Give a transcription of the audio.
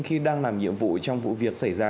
khi đang làm nhiệm vụ trong vụ việc xảy ra